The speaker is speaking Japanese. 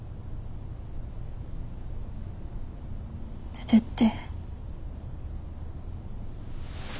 出てって。